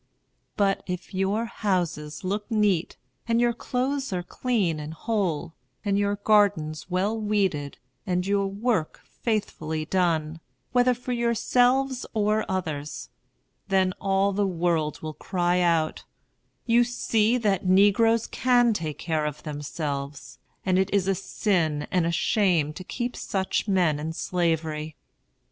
But if your houses look neat, and your clothes are clean and whole, and your gardens well weeded, and your work faithfully done, whether for yourselves or others, then all the world will cry out, "You see that negroes can take care of themselves; and it is a sin and a shame to keep such men in Slavery."